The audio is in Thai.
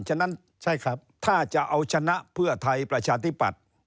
ฉะนั้นถ้าจะเอาชนะเพื่อไทยประชาธิบัตร